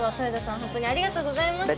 ほんとにありがとうございました。